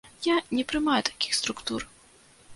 Я не прымаю такіх структур.